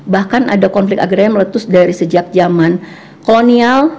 bahkan ada konflik agraria yang meletus dari sejak zaman kolonial